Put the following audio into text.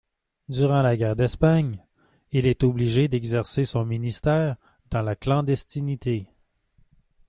Durant la guerre d'Espagne, il est obligé d'exercer son ministère dans la clandestinité.